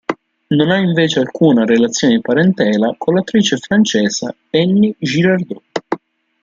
Non ha invece alcuna relazione di parentela con l'attrice francese Annie Girardot.